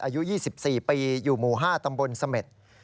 อายุ๒๔ปีอยู่หมู่๕ตำบลเสม็ด